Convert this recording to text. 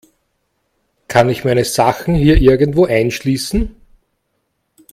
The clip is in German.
Kann ich meine Sachen hier irgendwo einschließen?